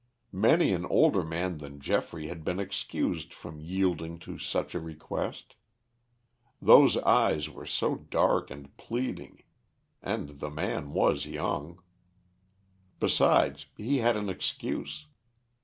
Many an older man than Geoffrey had been excused from yielding to such a request. Those eyes were so dark and pleading, and the man was young. Besides, he had an excuse.